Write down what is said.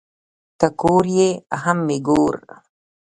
ته کور یې هم مې گور